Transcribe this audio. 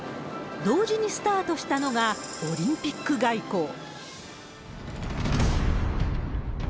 同時にスタートしたのが、オリンピック外交。